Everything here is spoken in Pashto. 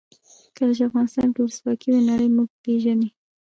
کله چې افغانستان کې ولسواکي وي نړۍ موږ پېژني.